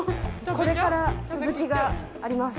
これから続きがあります。